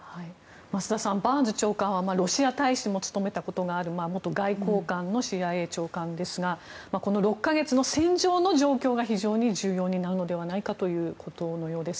増田さん、バーンズ長官はロシア大使も務めたことがある元外交官のＣＩＡ長官ですがこの６か月の戦場の状況が非常に重要になるのではないかということのようです。